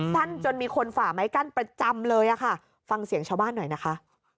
จนมีคนฝ่าไม้กั้นประจำเลยอะค่ะฟังเสียงชาวบ้านหน่อยนะคะ